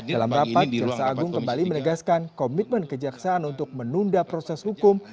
dalam rapat jaksa agung kembali menegaskan komitmen kejaksaan untuk menunda proses hukum